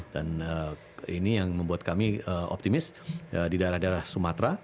dan ini yang membuat kami optimis di daerah daerah sumatera